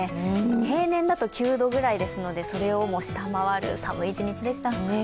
平年だと９度ぐらいですのでそれを下回る寒い一日でした。